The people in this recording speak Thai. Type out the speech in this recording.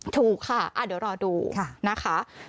ถูกค่ะเดี๋ยวรอดูนะคะ